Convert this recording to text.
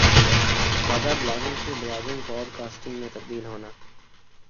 سادہ بلاگنگ سے blogging podcasting میں تبدیل ہونا